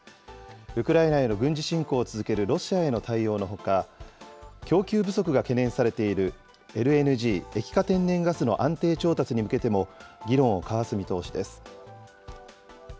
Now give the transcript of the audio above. ウクライナへの軍事侵攻を続けるロシアへの対応のほか、供給不足が懸念されているＬＮＧ・液化天然ガスの安定調達に向けても議論を交わす見通しです。